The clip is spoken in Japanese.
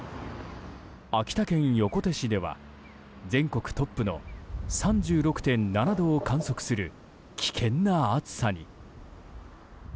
秋田県横手市では全国トップの３６．７度を観測する危険な暑さに。